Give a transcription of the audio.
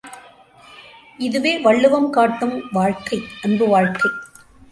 இதுவே வள்ளுவம் காட்டும் வாழ்க்கை அன்பு வாழ்க்கை!